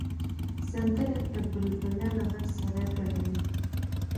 سندره د بلبله له غږ سره ګډه ده